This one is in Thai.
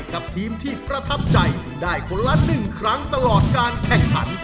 กับทีมที่ประทับใจได้คนละ๑ครั้งตลอดการแข่งขัน